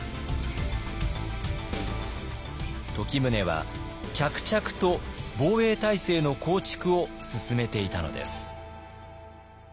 時宗は着々と防衛体制の構築を進めていたのです。